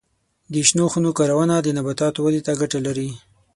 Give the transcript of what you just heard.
د شنو خونو کارونه د نباتاتو ودې ته ګټه لري.